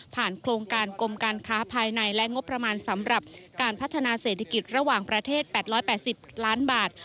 โครงการกรมการค้าภายในและงบประมาณสำหรับการพัฒนาเศรษฐกิจระหว่างประเทศ๘๘๐ล้านบาท